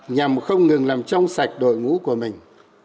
nhằm không ngừng làm trong sạch đội ngũ của mình